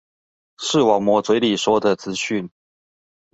視網膜嘴裡說的資訊